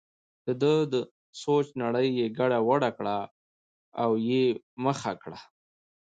دده د سوچ نړۍ یې ګډه وډه کړه او یې مخه کړه.